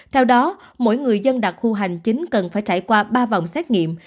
theo đó mỗi người dân đặc khu hành chính cần phải trải qua ba vòng xét nghiệm